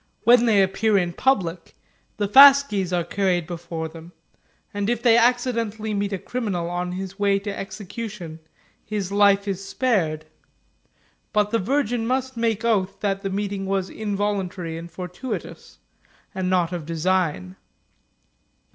When they appear in public, the fasces are carried before them, and if they ac cidentally meet a criminal on his way to execution, his life is spared; but the virgin must make oath that the meeting was involuntary and fortuitous, and not of design.